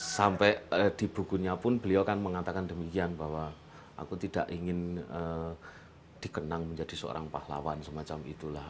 sampai di bukunya pun beliau kan mengatakan demikian bahwa aku tidak ingin dikenang menjadi seorang pahlawan semacam itulah